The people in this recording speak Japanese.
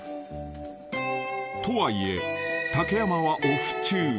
［とはいえ竹山はオフ中］